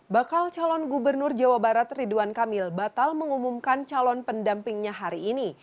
bakal calon gubernur jawa barat ridwan kamil batal mengumumkan calon pendampingnya hari ini